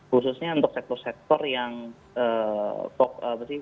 khususnya untuk sektor stok